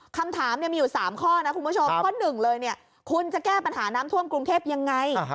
คำถามมีอยู่๓ข้อนะคุณผู้ชมข้อ๑เลยคุณจะแก้ปัญหาน้ำท่วมกรุงเทพยังไง